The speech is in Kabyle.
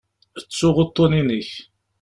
Ttuɣ uṭṭun-inek.